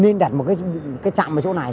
nên đặt một cái trạm ở chỗ này